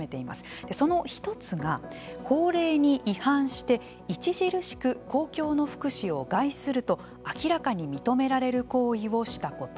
その１つが、法令に違反して著しく公共の福祉を害すると明らかに認められる行為をしたこと。